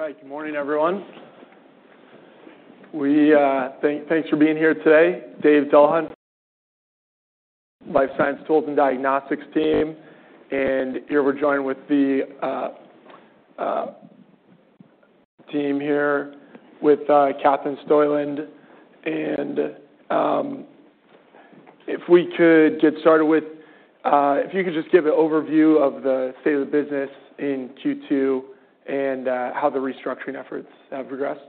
All right, good morning, everyone. We thanks for being here today. Matt Sykes, Life Science Tools and Diagnostics team, and here we're joined with the team here with Katherine Stueland. If we could get started with if you could just give an overview of the state of the business in Q2 and how the restructuring efforts have progressed.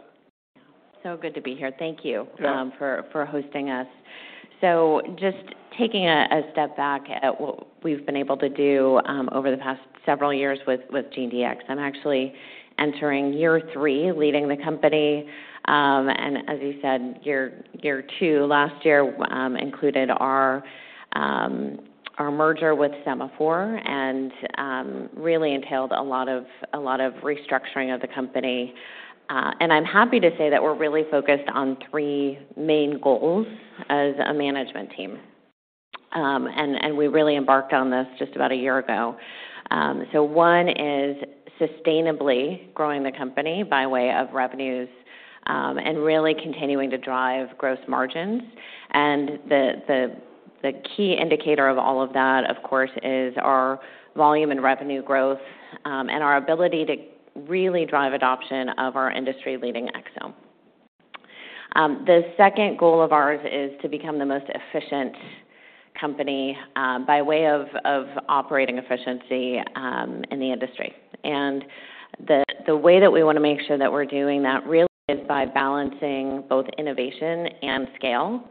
Good to be here. Thank you. Yeah for hosting us. Just taking a step back at what we've been able to do over the past several years with GeneDx, I'm actually entering year three, leading the company. And as you said, year two, last year, included our merger with Sema4 and really entailed a lot of restructuring of the company. And I'm happy to say that we're really focused on three main goals as a management team. And we really embarked on this just about a year ago. One is sustainably growing the company by way of revenues and really continuing to drive gross margins. And the key indicator of all of that, of course, is our volume and revenue growth and our ability to really drive adoption of our industry-leading exome. The second goal of ours is to become the most efficient company by way of operating efficiency in the industry. The way that we wanna make sure that we're doing that really is by balancing both innovation and scale.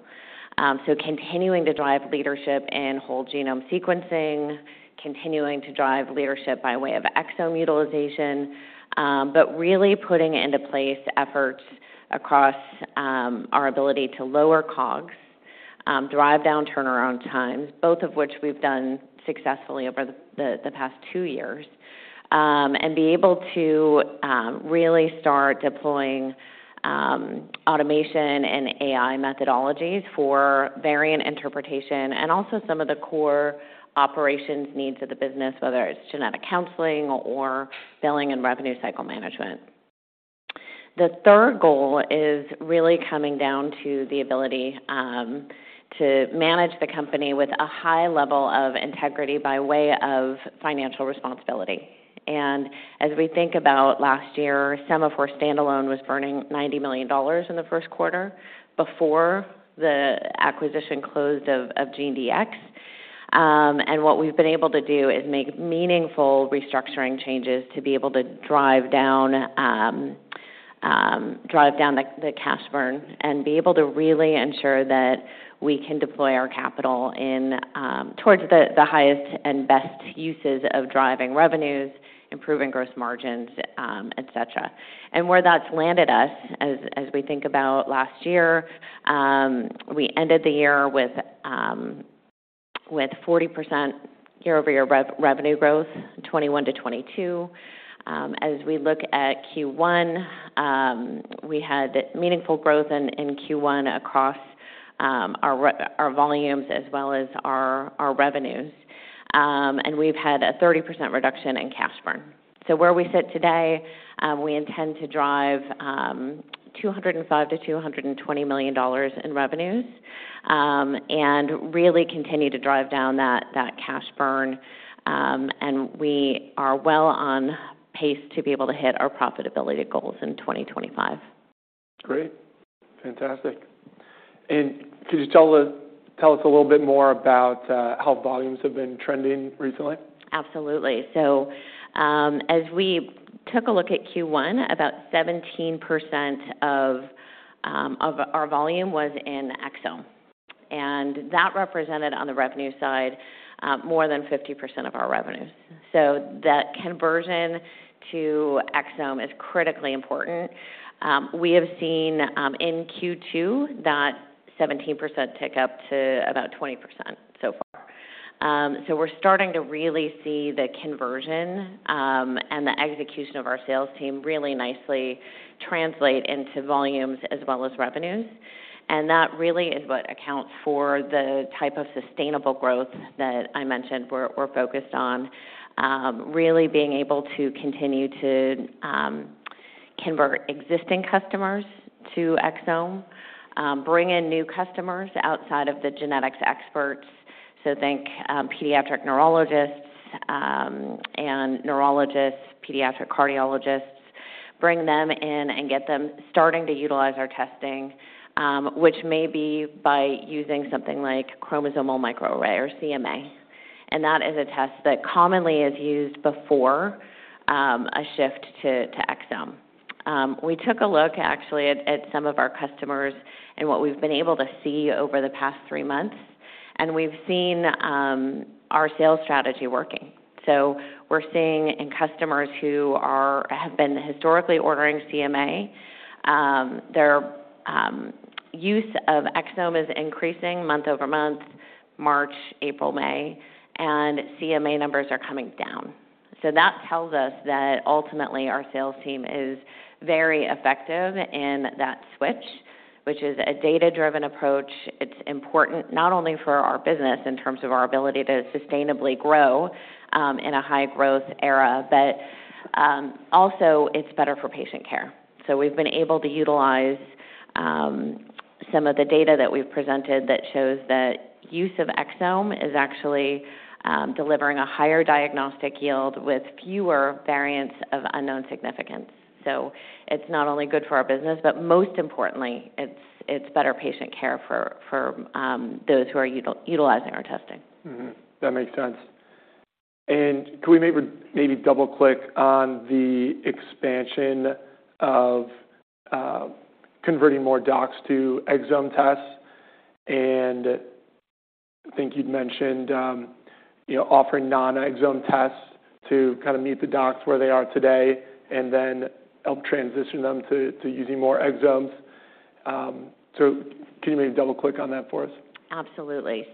Continuing to drive leadership in whole genome sequencing, continuing to drive leadership by way of exome utilization, but really putting into place efforts across our ability to lower COGS, drive down turnaround times, both of which we've done successfully over the past two years. Be able to really start deploying automation and AI methodologies for variant interpretation and also some of the core operations needs of the business, whether it's genetic counseling or billing and revenue cycle management. The third goal is really coming down to the ability to manage the company with a high level of integrity by way of financial responsibility. As we think about last year, Sema4 standalone was burning $90 million in the Q1 before the acquisition closed of GeneDx. What we've been able to do is make meaningful restructuring changes to be able to drive down the cash burn and be able to really ensure that we can deploy our capital towards the highest and best uses of driving revenues, improving gross margins, et cetera. Where that's landed us, as we think about last year, we ended the year with 40% year-over-year revenue growth, 2021-2022. As we look at Q1, we had meaningful growth in Q1 across our volumes as well as our revenues. We've had a 30% reduction in cash burn. Where we sit today, we intend to drive $205 to 220 million in revenues, and really continue to drive down that cash burn. We are well on pace to be able to hit our profitability goals in 2025. Great. Fantastic. Could you tell us a little bit more about how volumes have been trending recently? Absolutely. As we took a look at Q1, about 17% of our volume was in exome, and that represented, on the revenue side, more than 50% of our revenues. The conversion to exome is critically important. We have seen, in Q2, that 17% tick up to about 20% so far. We're starting to really see the conversion, and the execution of our sales team really nicely translate into volumes as well as revenues. That really is what accounts for the type of sustainable growth that I mentioned we're focused on. Really being able to continue to convert existing customers to exome, bring in new customers outside of the genetics experts. Think, pediatric neurologists, and neurologists, pediatric cardiologists, bring them in and get them starting to utilize our testing, which may be by using something like chromosomal microarray, or CMA. That is a test that commonly is used before, a shift to exome. We took a look actually at some of our customers and what we've been able to see over the past three months, and we've seen our sales strategy working. We're seeing in customers who have been historically ordering CMA, their use of exome is increasing month-over-month, March, April, May, and CMA numbers are coming down. That tells us that ultimately our sales team is very effective in that switch, which is a data-driven approach. It's important not only for our business in terms of our ability to sustainably grow, in a high-growth era, but also it's better for patient care. We've been able to utilize some of the data that we've presented that shows that use of exome is actually delivering a higher diagnostic yield with fewer variants of uncertain significance. It's not only good for our business, but most importantly, it's better patient care for those who are utilizing our testing. That makes sense. Can we maybe double-click on the expansion of converting more docs to exome tests? I think you'd mentioned, you know, offering non-exome tests to kind of meet the docs where they are today, and then help transition them to using more exomes. Can you maybe double-click on that for us? Absolutely.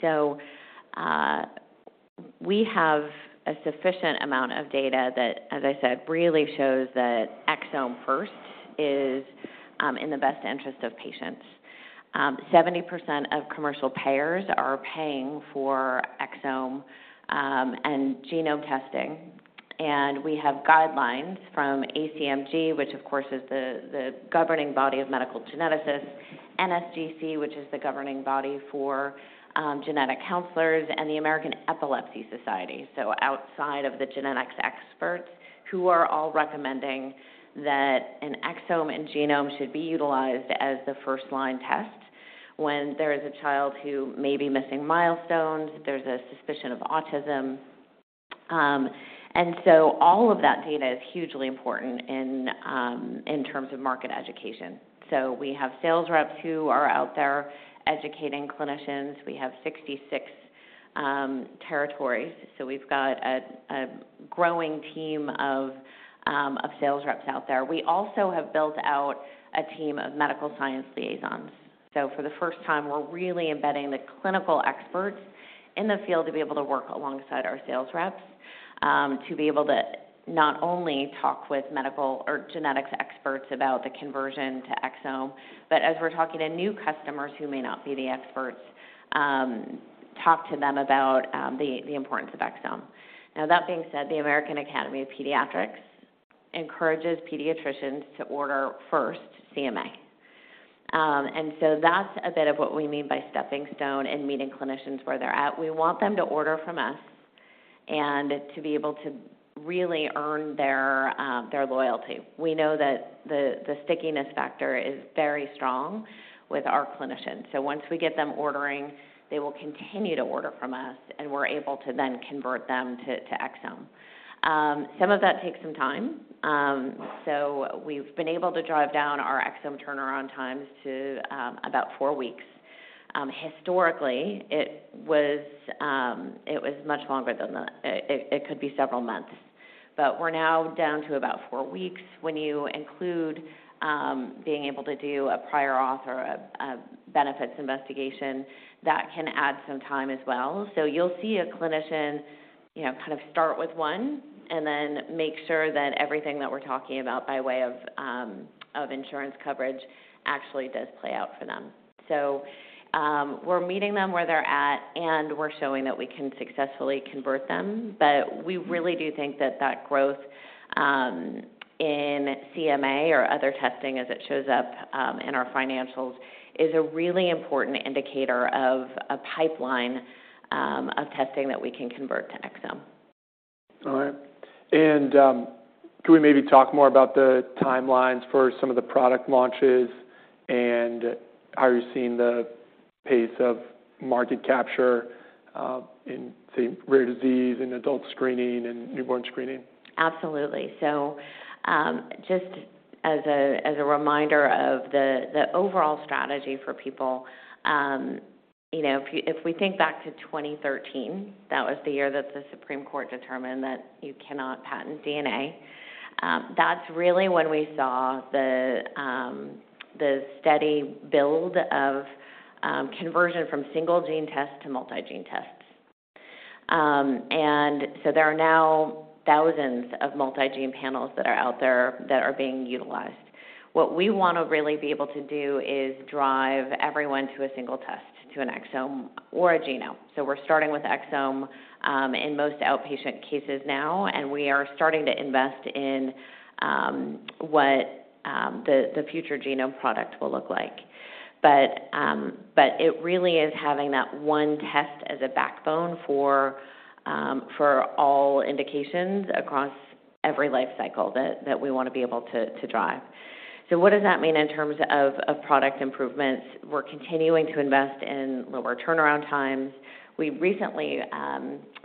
We have a sufficient amount of data that, as I said, really shows that exome first is in the best interest of patients. 70% of commercial payers are paying for exome and genome testing, and we have guidelines from ACMG, which, of course, is the governing body of medical geneticists, NSGC, which is the governing body for genetic counselors, and the American Epilepsy Society. Outside of the genetics experts, who are all recommending that an exome and genome should be utilized as the first-line test when there is a child who may be missing milestones, there's a suspicion of autism. All of that data is hugely important in in terms of market education. We have sales reps who are out there educating clinicians. We have 66 territories, so we've got a growing team of sales reps out there. We also have built out a team of medical science liaisons. For the first time, we're really embedding the clinical experts in the field to be able to work alongside our sales reps, to be able to not only talk with medical or genetics experts about the conversion to exome, but as we're talking to new customers who may not be the experts, talk to them about the importance of exome. That being said, the American Academy of Pediatrics encourages pediatricians to order first CMA. That's a bit of what we mean by stepping stone and meeting clinicians where they're at. We want them to order from us and to be able to really earn their loyalty. We know that the stickiness factor is very strong with our clinicians, so once we get them ordering, they will continue to order from us, and we're able to then convert them to exome. Some of that takes some time. We've been able to drive down our exome turnaround times to about four weeks. Historically, it was much longer than that. It could be several months, but we're now down to about four weeks. When you include being able to do a prior auth or a benefits investigation, that can add some time as well. You'll see a clinician, you know, kind of start with one and then make sure that everything that we're talking about by way of insurance coverage actually does play out for them. We're meeting them where they're at, and we're showing that we can successfully convert them. We really do think that that growth in CMA or other testing, as it shows up in our financials, is a really important indicator of a pipeline of testing that we can convert to exome. All right. Can we maybe talk more about the timelines for some of the product launches and how you're seeing the pace of market capture, in, say, rare disease, in adult screening, and newborn screening? Absolutely. Just as a, as a reminder of the overall strategy for people, you know, if we think back to 2013, that was the year that the Supreme Court determined that you cannot patent DNA. That's really when we saw the steady build of, conversion from single gene tests to multi-gene tests. There are now thousands of multi-gene panels that are out there that are being utilized. What we want to really be able to do is drive everyone to a single test, to an exome or a genome. We're starting with exome, in most outpatient cases now, and we are starting to invest in, what, the future genome product will look like. It really is having that one test as a backbone for all indications across every life cycle that we want to be able to drive. What does that mean in terms of product improvements? We're continuing to invest in lower turnaround times. We recently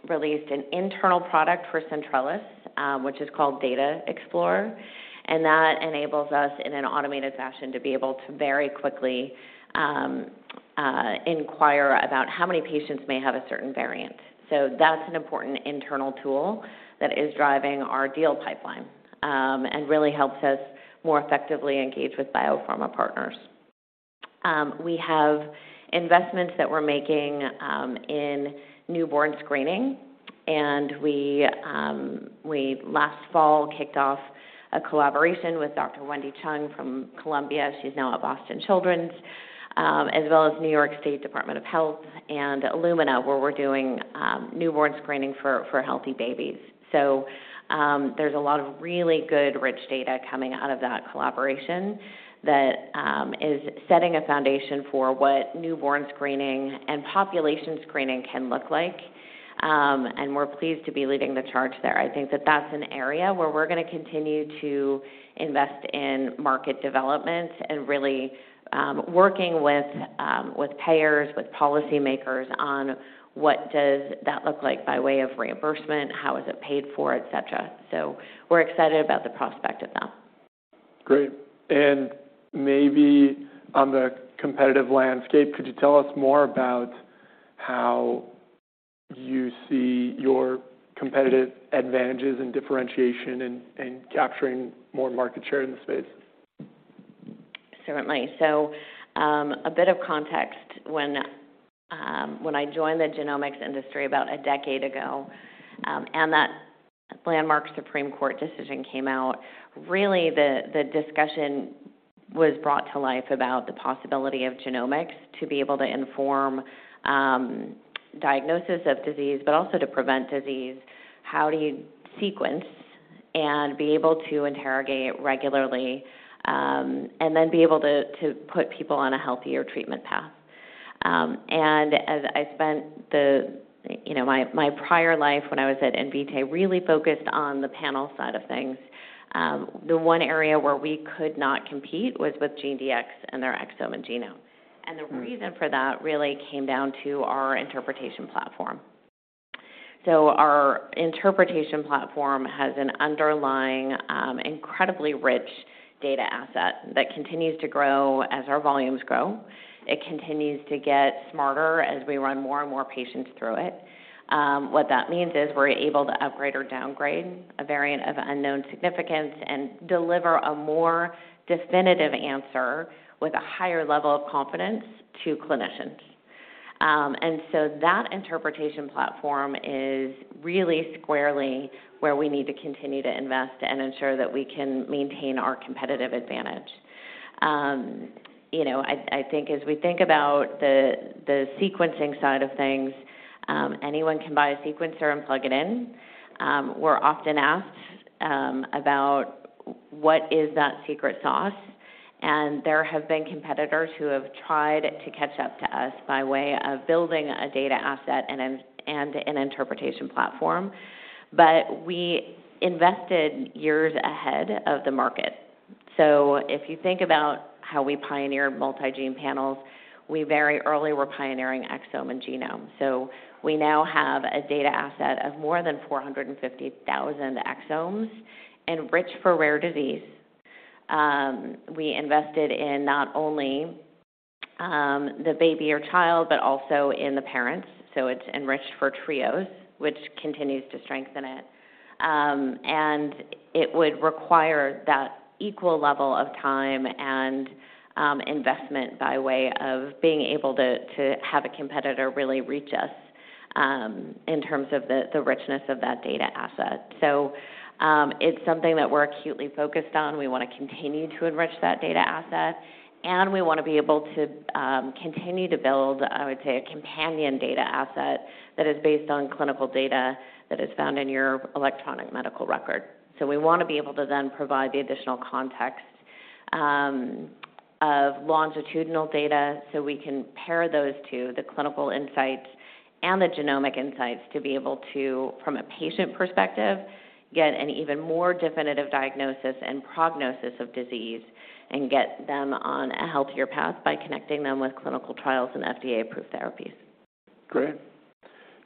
released an internal product for Centrellis, which is called Data Explorer, and that enables us, in an automated fashion, to be able to very quickly inquire about how many patients may have a certain variant. That's an important internal tool that is driving our deal pipeline and really helps us more effectively engage with biopharma partners. We have investments that we're making in newborn screening. We last fall kicked off a collaboration with Dr. Wendy Chung from Columbia, she's now at Boston Children's, as well as New York State Department of Health and Illumina, where we're doing newborn screening for healthy babies. There's a lot of really good, rich data coming out of that collaboration that is setting a foundation for what newborn screening and population screening can look like. We're pleased to be leading the charge there. I think that that's an area where we're gonna continue to invest in market development and really working with payers, with policymakers on what does that look like by way of reimbursement? How is it paid for, et cetera. We're excited about the prospect of that. Great. Maybe on the competitive landscape, could you tell us more about how you see your competitive advantages and differentiation in capturing more market share in the space? Certainly. A bit of context. When I joined the genomics industry about a decade ago, and that landmark Supreme Court decision came out, really, the discussion was brought to life about the possibility of genomics to be able to inform diagnosis of disease, but also to prevent disease. How do you sequence and be able to interrogate regularly and then be able to put people on a healthier treatment path? As I spent the... You know, my prior life when I was at Invitae, really focused on the panel side of things. The one area where we could not compete was with GeneDx and their exome and genome. Mm-hmm. The reason for that really came down to our interpretation platform. Our interpretation platform has an underlying incredibly rich data asset that continues to grow as our volumes grow. It continues to get smarter as we run more and more patients through it. What that means is we're able to upgrade or downgrade a variant of unknown significance and deliver a more definitive answer with a higher level of confidence to clinicians. That interpretation platform is really squarely where we need to continue to invest and ensure that we can maintain our competitive advantage. You know, I think as we think about the sequencing side of things, anyone can buy a sequencer and plug it in. We're often asked about what is that secret sauce. There have been competitors who have tried to catch up to us by way of building a data asset and an interpretation platform. We invested years ahead of the market. If you think about how we pioneered multi-gene panels, we very early were pioneering exome and genome. We now have a data asset of more than 450,000 exomes, enriched for rare disease. We invested in not only the baby or child, but also in the parents, so it's enriched for trios, which continues to strengthen it. It would require that equal level of time and investment by way of being able to have a competitor really reach us in terms of the richness of that data asset. It's something that we're acutely focused on. We want to continue to enrich that data asset, and we want to be able to continue to build, I would say, a companion data asset that is based on clinical data that is found in your electronic medical record. We want to be able to then provide the additional context of longitudinal data, so we can pair those two, the clinical insights and the genomic insights, to be able to, from a patient perspective, get an even more definitive diagnosis and prognosis of disease, and get them on a healthier path by connecting them with clinical trials and FDA-approved therapies. Great.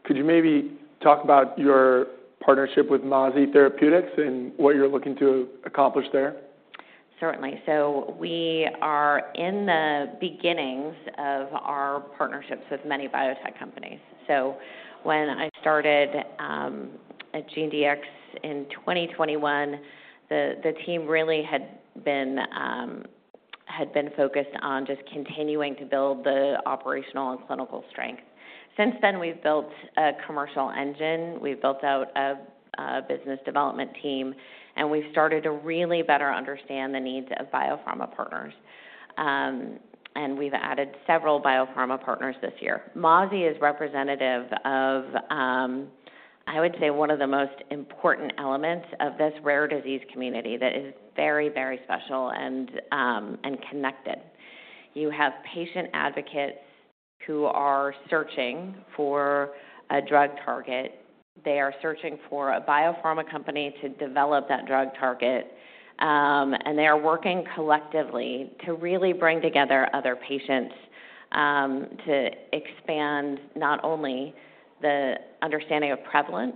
Could you maybe talk about your partnership with Maze Therapeutics and what you're looking to accomplish there? Certainly. We are in the beginnings of our partnerships with many biotech companies. When I started at GeneDx in 2021, the team really had been focused on just continuing to build the operational and clinical strength. Since then, we've built a commercial engine, we've built out a business development team, and we've started to really better understand the needs of biopharma partners. We've added several biopharma partners this year. Maze is representative of, I would say, one of the most important elements of this rare disease community that is very, very special and connected. You have patient advocates who are searching for a drug target. They are searching for a biopharma company to develop that drug target, and they are working collectively to really bring together other patients, to expand not only the understanding of prevalence,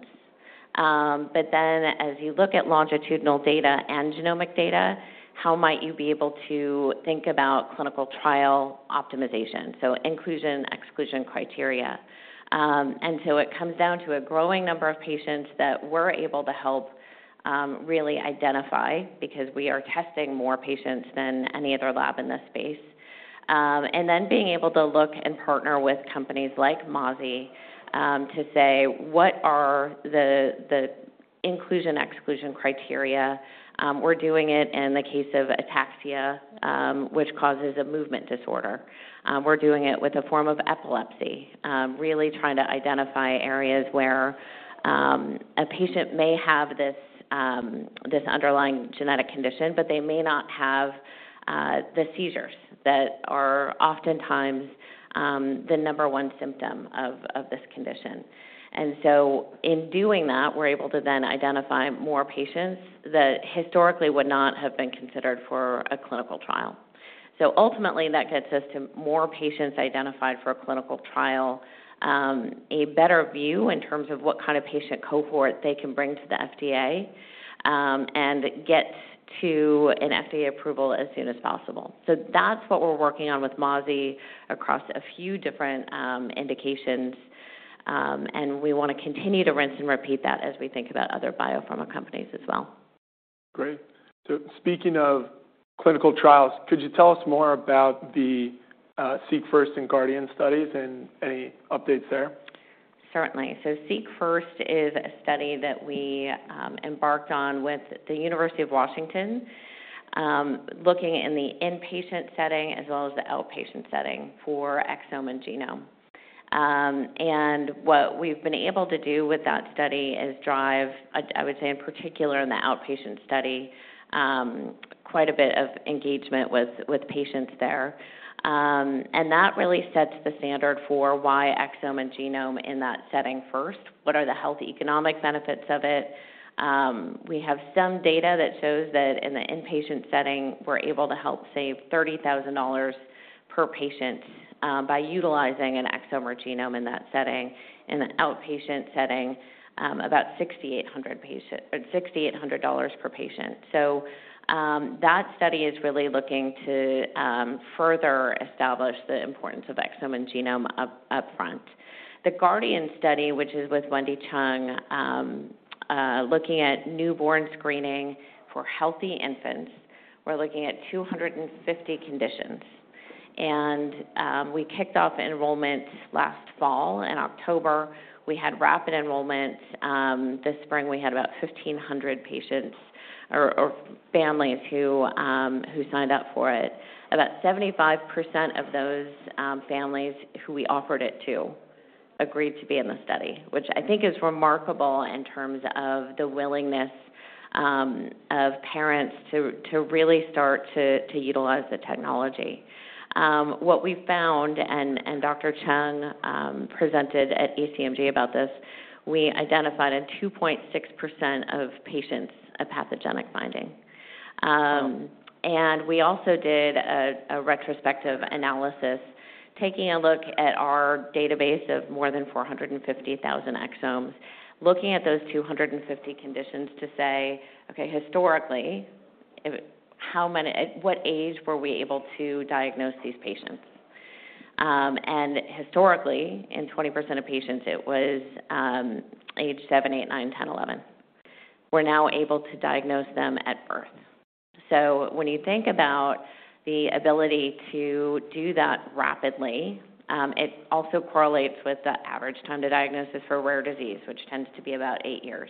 but then as you look at longitudinal data and genomic data, how might you be able to think about clinical trial optimization? Inclusion, exclusion criteria. It comes down to a growing number of patients that we're able to help, really identify because we are testing more patients than any other lab in this space. Being able to look and partner with companies like Maze Therapeutics, to say: What are the inclusion/exclusion criteria? We're doing it in the case of ataxia, which causes a movement disorder. We're doing it with a form of epilepsy. Really trying to identify areas where a patient may have this underlying genetic condition, but they may not have the seizures that are oftentimes the number one symptom of this condition. In doing that, we're able to then identify more patients that historically would not have been considered for a clinical trial. Ultimately, that gets us to more patients identified for a clinical trial, a better view in terms of what kind of patient cohort they can bring to the FDA and get to an FDA approval as soon as possible. That's what we're working on with Maze across a few different indications. We want to continue to rinse and repeat that as we think about other biopharma companies as well. Great. Speaking of clinical trials, could you tell us more about the SeqFirst and GUARDIAN studies and any updates there? Certainly. SeqFirst is a study that we embarked on with the University of Washington looking in the inpatient setting as well as the outpatient setting for exome and genome. What we've been able to do with that study is drive, I would say, in particular in the outpatient study, quite a bit of engagement with patients there. That really sets the standard for why exome and genome in that setting first. What are the health economic benefits of it? We have some data that shows that in the inpatient setting, we're able to help save $30,000 per patient by utilizing an exome or genome in that setting. In the outpatient setting, about $6,800 per patient. That study is really looking to further establish the importance of exome and genome upfront. The GUARDIAN study, which is with Wendy Chung, looking at newborn screening for healthy infants. We're looking at 250 conditions. We kicked off enrollment last fall. In October, we had rapid enrollment. This spring, we had about 1,500 patients or families who signed up for it. About 75% of those families who we offered it to agreed to be in the study, which I think is remarkable in terms of the willingness of parents to really start to utilize the technology. What we found, and Dr. Chung presented at ACMG about this, we identified in 2.6% of patients, a pathogenic finding. We also did a retrospective analysis, taking a look at our database of more than 450,000 exomes, looking at those 250 conditions to say: "Okay, historically, how many... At what age were we able to diagnose these patients?" Historically, in 20% of patients, it was age seven, eight, nine, 10, 11. We're now able to diagnose them at birth. When you think about the ability to do that rapidly, it also correlates with the average time to diagnosis for a rare disease, which tends to be about eight years.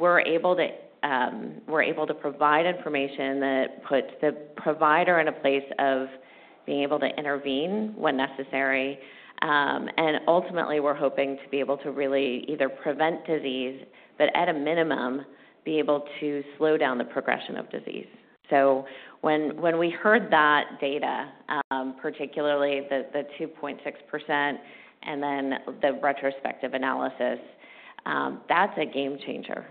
We're able to provide information that puts the provider in a place of being able to intervene when necessary. Ultimately, we're hoping to be able to really either prevent disease, but at a minimum, be able to slow down the progression of disease. When we heard that data, particularly the 2.6% and then the retrospective analysis, that's a game changer.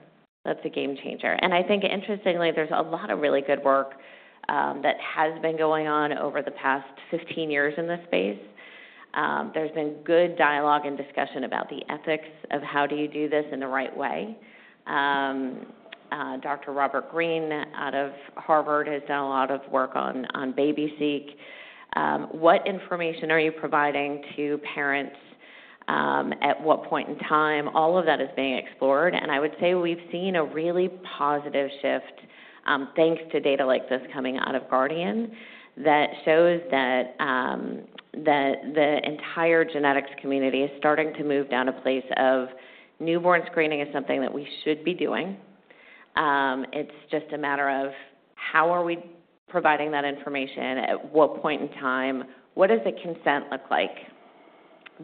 That's a game changer. I think interestingly, there's a lot of really good work that has been going on over the past 15 years in this space. There's been good dialogue and discussion about the ethics of how do you do this in the right way. Dr. Robert Green out of Harvard has done a lot of work on BabySeq. What information are you providing to parents, at what point in time? All of that is being explored, and I would say we've seen a really positive shift, thanks to data like this coming out of GUARDIAN, that shows that the entire genetics community is starting to move down a place of newborn screening is something that we should be doing. It's just a matter of: How are we providing that information? At what point in time? What does the consent look like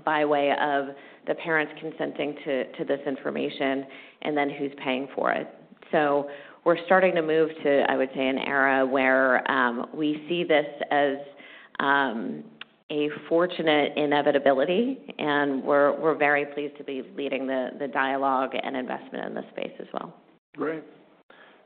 by way of the parents consenting to this information? Who's paying for it? We're starting to move to, I would say, an era where we see this as a fortunate inevitability, and we're very pleased to be leading the dialogue and investment in this space as well. Great.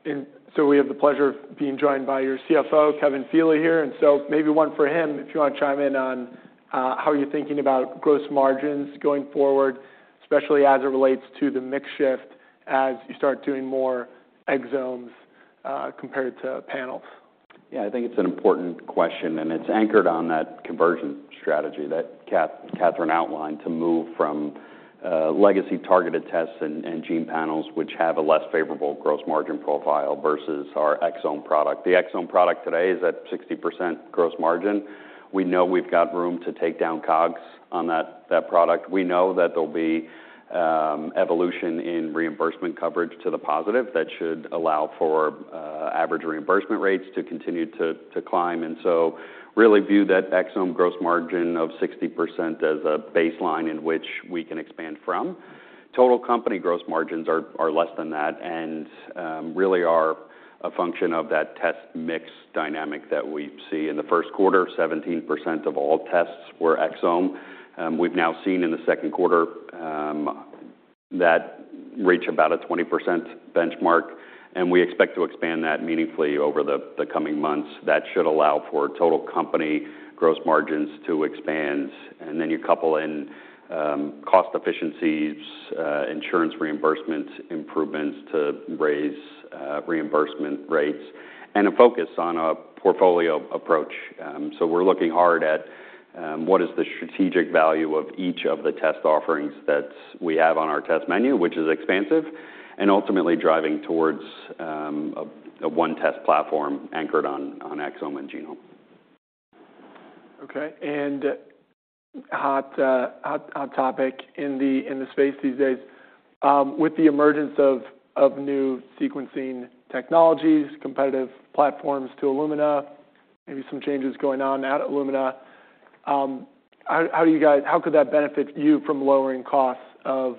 We have the pleasure of being joined by your CFO, Kevin Feeley, here, and so maybe one for him, if you want to chime in on, how you're thinking about gross margins going forward, especially as it relates to the mix shift as you start doing more exomes, compared to panels? Yeah, I think it's an important question, and it's anchored on that conversion strategy that Katherine outlined to move from legacy-targeted tests and gene panels, which have a less favorable gross margin profile versus our exome product. The exome product today is at 60% gross margin. We know we've got room to take down COGS on that product. We know that there'll be evolution in reimbursement coverage to the positive that should allow for average reimbursement rates to continue to climb. Really view that exome gross margin of 60% as a baseline in which we can expand from. Total company gross margins are less than that and really are a function of that test mix dynamic that we see. In the Q1, 17% of all tests were exome. We've now seen in the Q2 that reach about a 20% benchmark, and we expect to expand that meaningfully over the coming months. That should allow for total company gross margins to expand. You couple in cost efficiencies, insurance reimbursement improvements to raise reimbursement rates, and a focus on a portfolio approach. We're looking hard at what is the strategic value of each of the test offerings that we have on our test menu, which is expansive, and ultimately driving towards a one test platform anchored on exome and genome. Okay. Hot topic in the space these days. With the emergence of new sequencing technologies, competitive platforms to Illumina, maybe some changes going on now at Illumina, how could that benefit you from lowering costs of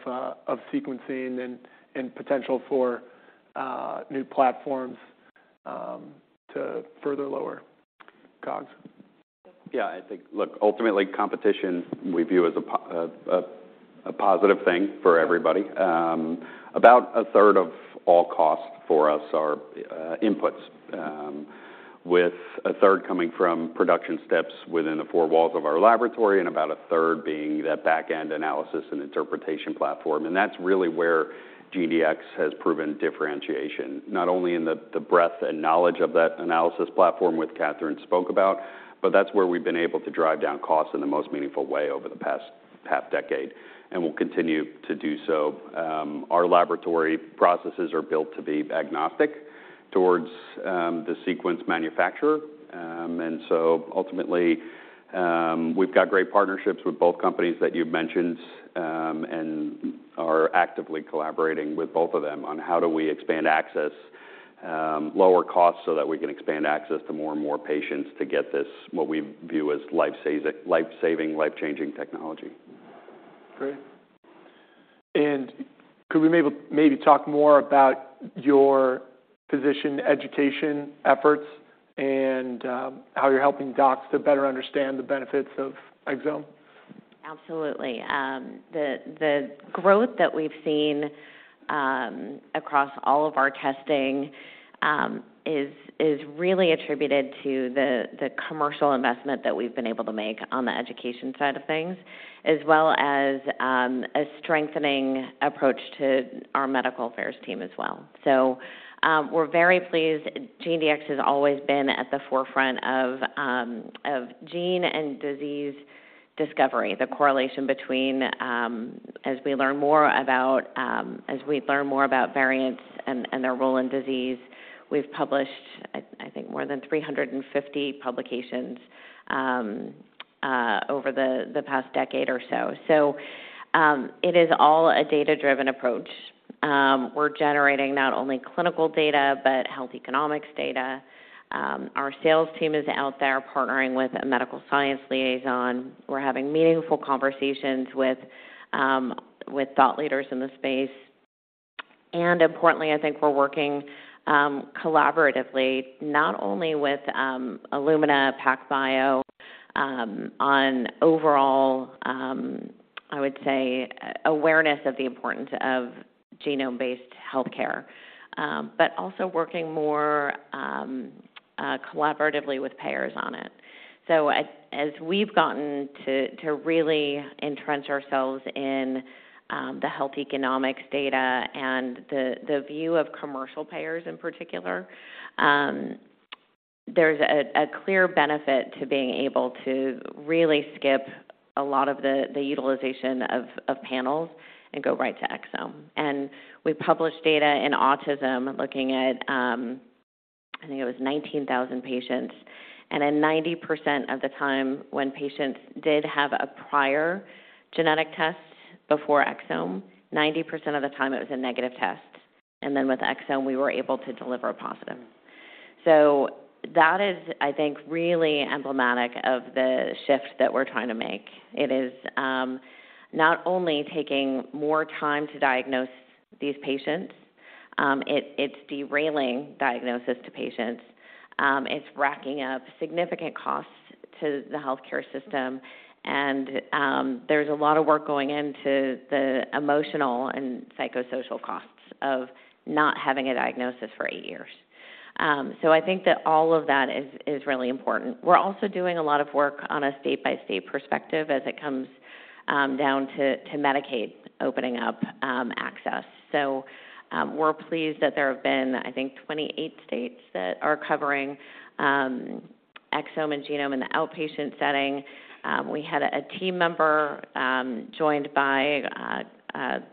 sequencing and potential for new platforms to further lower COGS? Yeah, I think... Look, ultimately, competition we view as a positive thing for everybody. About a third of all costs for us are inputs, with a third coming from production steps within the four walls of our laboratory, and about a third being that back-end analysis and interpretation platform. That's really where GeneDx has proven differentiation, not only in the breadth and knowledge of that analysis platform, which Katherine spoke about, but that's where we've been able to drive down costs in the most meaningful way over the past half decade, and we'll continue to do so. Our laboratory processes are built to be agnostic towards the sequence manufacturer. Ultimately, we've got great partnerships with both companies that you've mentioned, and are actively collaborating with both of them on how do we expand access, lower costs, so that we can expand access to more and more patients to get this, what we view as life-saving, life-changing technology. Great. could we maybe talk more about your physician education efforts and how you're helping docs to better understand the benefits of exome? Absolutely. The growth that we've seen across all of our testing is really attributed to the commercial investment that we've been able to make on the education side of things, as well as a strengthening approach to our medical affairs team as well. We're very pleased. GeneDx has always been at the forefront of gene and disease discovery, the correlation between. As we learn more about variants and their role in disease, we've published, I think, more than 350 publications over the past decade or so. It is all a data-driven approach. We're generating not only clinical data, but health economics data. Our sales team is out there partnering with a medical science liaison. We're having meaningful conversations with thought leaders in the space. Importantly, I think we're working collaboratively, not only with Illumina, PacBio, on overall, I would say, awareness of the importance of genome-based healthcare, but also working more collaboratively with payers on it. As we've gotten to really entrench ourselves in the health economics data and the view of commercial payers in particular, there's a clear benefit to being able to really skip a lot of the utilization of panels and go right to exome. We published data in autism, looking at, I think it was 19,000 patients. In 90% of the time, when patients did have a prior genetic test before exome, 90% of the time, it was a negative test. With exome, we were able to deliver a positive. That is, I think, really emblematic of the shift that we're trying to make. It is, not only taking more time to diagnose these patients, it's derailing diagnosis to patients. It's racking up significant costs to the healthcare system, and, there's a lot of work going into the emotional and psychosocial costs of not having a diagnosis for eight years. I think that all of that is really important. We're also doing a lot of work on a state-by-state perspective as it comes down to Medicaid opening up, access. We're pleased that there have been, I think, 28 states that are covering, exome and genome in the outpatient setting. We had a team member joined by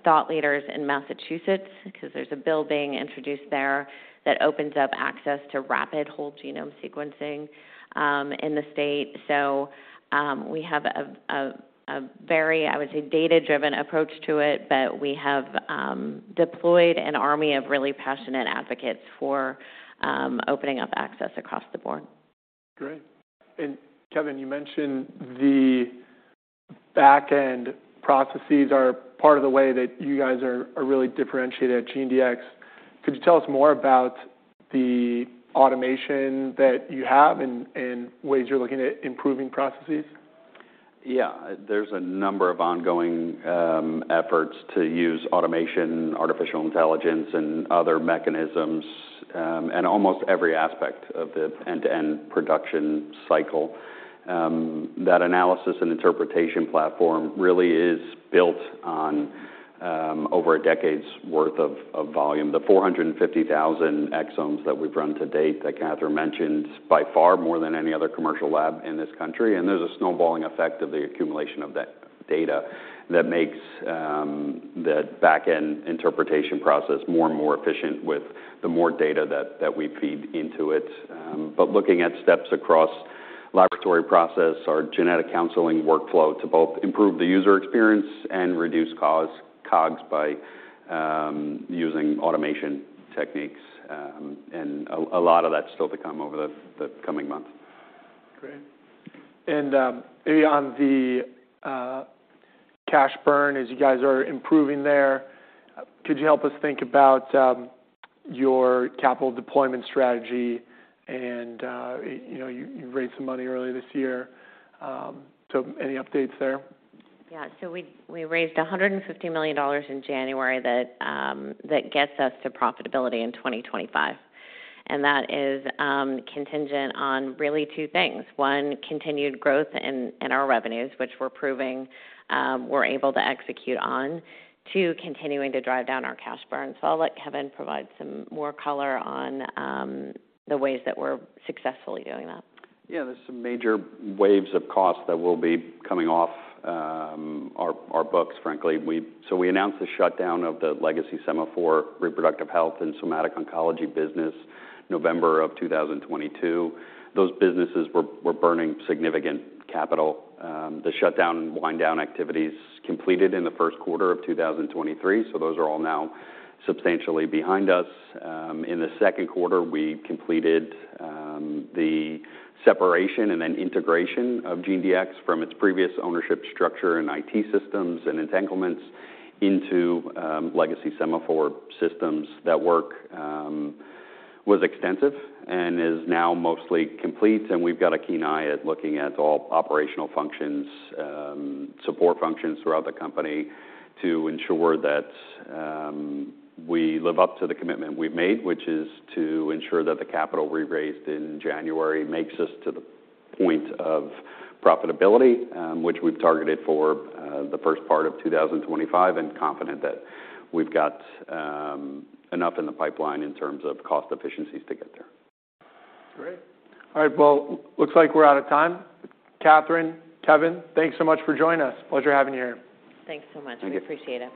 thought leaders in Massachusetts, because there's a bill being introduced there that opens up access to rapid whole genome sequencing in the state. We have a very, I would say, data-driven approach to it, but we have deployed an army of really passionate advocates for opening up access across the board. Great. Kevin, you mentioned the back-end processes are part of the way that you guys are really differentiated at GeneDx. Could you tell us more about the automation that you have and ways you're looking at improving processes? Yeah. There's a number of ongoing efforts to use automation, artificial intelligence, and other mechanisms in almost every aspect of the end-to-end production cycle. That analysis and interpretation platform really is built on over a decade's worth of volume. The 450,000 exomes that we've run to date, that Katherine mentioned, is by far more than any other commercial lab in this country. There's a snowballing effect of the accumulation of that data that makes the back-end interpretation process more and more efficient with the more data that we feed into it. Looking at steps across laboratory process, our genetic counseling workflow, to both improve the user experience and reduce costs, COGS, by using automation techniques, and a lot of that's still to come over the coming months. Great. On the cash burn, as you guys are improving there, could you help us think about your capital deployment strategy? You know, you raised some money earlier this year, any updates there? Yeah. We raised $150 million in January that gets us to profitability in 2025, and that is contingent on really two things. One, continued growth in our revenues, which we're proving we're able to execute on. Two, continuing to drive down our cash burn. I'll let Kevin provide some more color on the ways that we're successfully doing that. Yeah, there's some major waves of cost that will be coming off our books, frankly. We announced the shutdown of the legacy Sema4 Reproductive Health and Somatic Oncology business, November 2022. Those businesses were burning significant capital. The shutdown and wind down activities completed in the Q1 of 2023, those are all now substantially behind us. In the Q2, we completed the separation and then integration of GeneDx from its previous ownership structure and IT systems and entanglements into legacy Sema4 systems. That work, was extensive and is now mostly complete, and we've got a keen eye at looking at all operational functions, support functions throughout the company to ensure that we live up to the commitment we've made, which is to ensure that the capital we raised in January makes us to the point of profitability, which we've targeted for the first part of 2025, and confident that we've got enough in the pipeline in terms of cost efficiencies to get there. Great. All right. Looks like we're out of time. Katherine, Kevin, thanks so much for joining us. Pleasure having you here. Thanks so much. Thank you. We appreciate it.